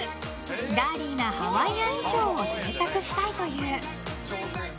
ガーリーなハワイアン衣装を制作したいという。